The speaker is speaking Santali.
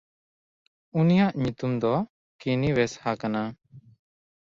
ᱩᱱᱤᱭᱟᱜ ᱧᱩᱛᱩᱢ ᱫᱚ ᱠᱤᱱᱤᱣᱮᱥᱦᱟ ᱠᱟᱱᱟ᱾